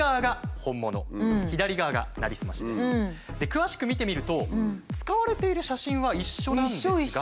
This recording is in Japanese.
詳しく見てみると使われている写真は一緒なんですが。